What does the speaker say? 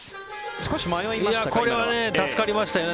少し迷いましたかね。